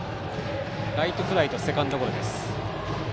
ライトフライとセカンドゴロです。